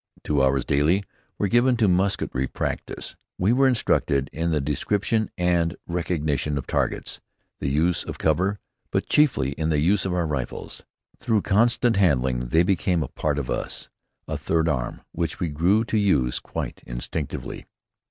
Two hours daily were given to musketry practice. We were instructed in the description and recognition of targets, the use of cover, but chiefly in the use of our rifles. Through constant handling they became a part of us, a third arm which we grew to use quite instinctively.